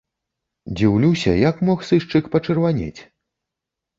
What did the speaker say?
Дзіўлюся, як мог сышчык пачырванець?